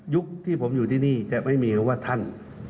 ที่ผมอยู่ที่นี่จะไม่มีหรือว่าท่าน